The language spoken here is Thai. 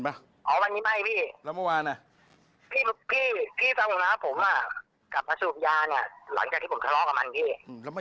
ไม่แล้วยาเสพติดมันไม่ช่วยอะไรให้ดีขึ้นนะ